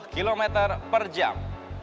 tiga puluh km per jam